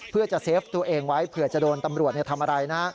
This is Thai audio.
เพื่อจะเซฟตัวเองไว้เผื่อจะโดนตำรวจทำอะไรนะ